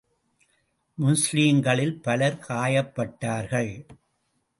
முஸ்லிம்களில் பலர் காயப்பட்டார்கள்.